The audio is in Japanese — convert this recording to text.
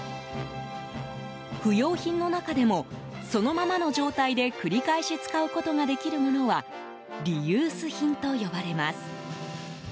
不用品の中でもそのままの状態で繰り返し使うことができるものはリユース品と呼ばれます。